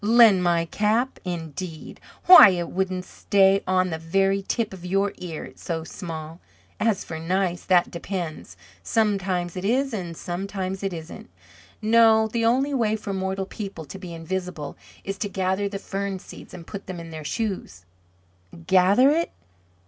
"Lend my cap, indeed! Why it wouldn't stay on the very tip of your ear, it's so small. As for nice, that depends. Sometimes it is, and sometimes it isn't. No, the only way for mortal people to be invisible is to gather the fern seed and put it in their shoes." "Gather it?